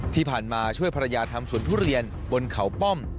ที่ผ่านมาช่วยภรรยาทำสวนทุเรียนบนเขาป้อม